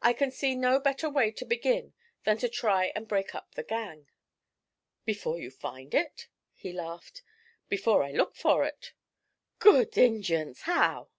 'I can see no better way to begin than to try and break up the gang.' 'Before you find it?' he laughed. 'Before I look for it.' 'Good Injuns! How?'